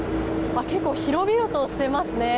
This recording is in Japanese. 結構、広々としていますね。